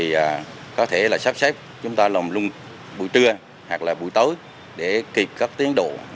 và có thể là sắp xếp chúng ta lồng lung buổi trưa hoặc là buổi tối để kịp các tiến độ